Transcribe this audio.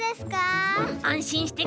あんしんしてください。